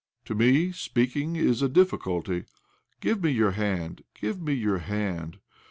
To me, speaking is a difficulty. Give me your hand, give me your hand